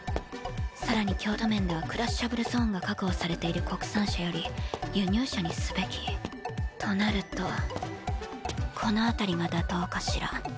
更に強度面ではクラッシャブルゾーンが確保されている国産車より輸入車にすべき？となるとこのあたりが妥当かしら。